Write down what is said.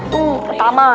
tuh pertama ya